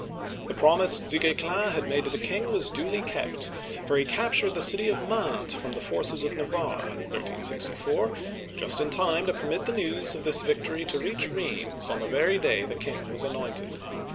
" The promise Du Guesclin had made to the king was duly kept, for he captured the city of Mantes from the forces of Navarre (1364), just in time to permit the news of this victory to reach Rheims, on the very day the king was anointed.